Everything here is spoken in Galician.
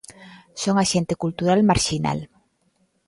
Son axente cultural marxinal.